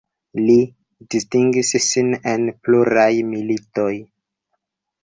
Li distingis sin en pluraj militoj.